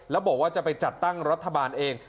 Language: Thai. แล้วบอกว่าจะไปจัดตั้งรัฐบาลเอง